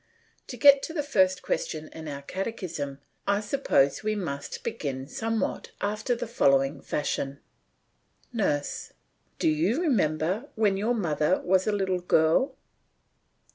To get to the first question in our catechism I suppose we must begin somewhat after the following fashion. NURSE: Do you remember when your mother was a little girl?